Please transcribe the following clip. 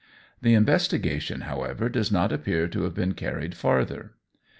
The investigation, however, does not appear to have been carried farther.